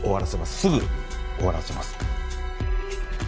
すぐ終わらせます。